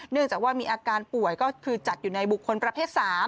จากว่ามีอาการป่วยก็คือจัดอยู่ในบุคคลประเภท๓